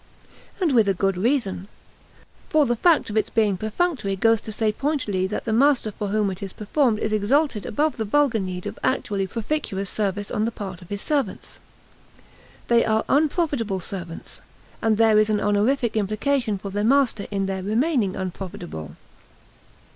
And with a good reason, for the fact of its being perfunctory goes to say pointedly that the master for whom it is performed is exalted above the vulgar need of actually proficuous service on the part of his servants. They are unprofitable servants, and there is an honorific implication for their master in their remaining unprofitable.